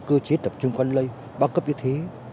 cơ chế tập trung quan lây bao cấp như thế